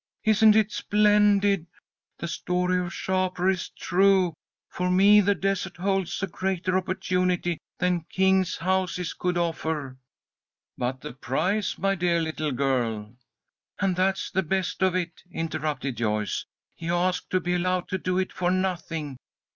"Isn't it splendid? The story of Shapur is true! For me the desert holds a greater opportunity than kings' houses could offer!" "But the price, my dear little girl " "And that's the best of it," interrupted Joyce. "He asked to be allowed to do it for nothing.